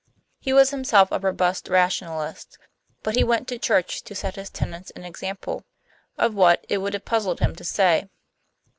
He was himself a robust rationalist, but he went to church to set his tenants an example. Of what, it would have puzzled him to say.